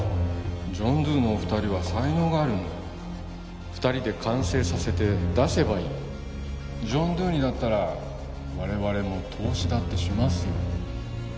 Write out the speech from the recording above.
ジョン・ドゥのお二人は才能があるんだ２人で完成させて出せばいいジョン・ドゥにだったら我々も投資だってしますよ